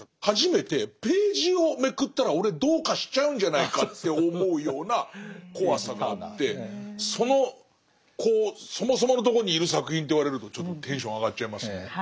初めてページをめくったら俺どうかしちゃうんじゃないかって思うような怖さがあってそのそもそものところにいる作品って言われるとちょっとテンション上がっちゃいますね。